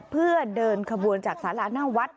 เพื่อเดินขบวนจากสาราหน้าวัด